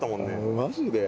マジで？